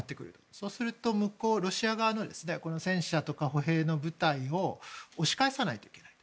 そうすると、ロシア側の戦車とか歩兵の部隊を押し返さなきゃいけない。